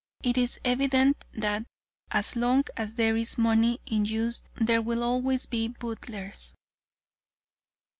It is evident that as long as there is money in use there will always be boodlers."